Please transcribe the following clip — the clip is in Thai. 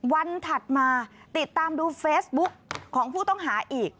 ถัดมาติดตามดูเฟซบุ๊กของผู้ต้องหาอีก